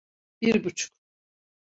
Bir buçuk.